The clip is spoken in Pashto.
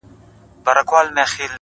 چاته يادي سي كيسې په خـامـوشۍ كــي ـ